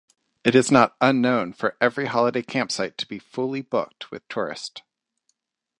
It is not unknown for every holiday campsite to be fully booked with tourists.